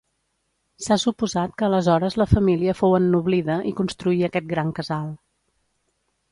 S'ha suposat que aleshores la família fou ennoblida i construí aquest gran casal.